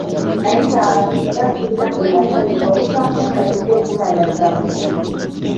Nayita abantu era ssirina gwe nataliza obutafuuka kiri ekitayaza vvu.